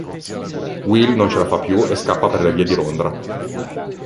Will non ce la fa più e scappa per le vie di Londra.